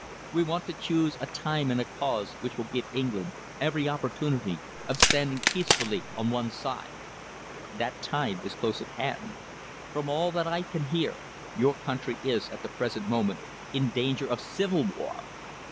We want to choose a time and a cause which will give England every opportunity of standing peacefully on one side. That time is close at hand. From all that I can hear, your country is, at the present moment, in danger of civil war.